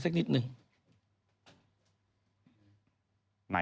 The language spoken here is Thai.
สวัสดีครับ